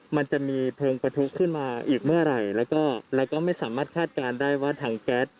มันจะมีเพลิงประทุขึ้นมาอีกเมื่อไหร่แล้วก็ไม่สามารถคาดการณ์ได้ว่าถังแก๊ส